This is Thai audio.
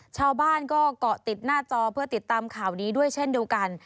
ชาวบ้านก็เกาะติดหน้าจอเพื่อติดตามข่าวนี้ด้วยเช่นเดียวกัน